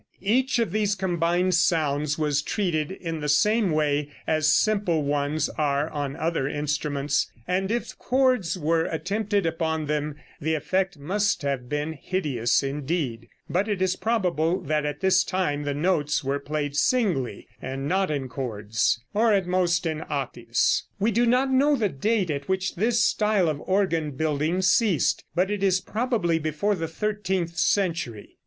Each of these combined sounds was treated in the same way as simple ones are on other instruments, and if chords were attempted upon them the effect must have been hideous indeed; but it is probable that at this time the notes were played singly, and not in chords, or at most in octaves. We do not know the date at which this style of organ building ceased, but it is probably before the thirteenth century.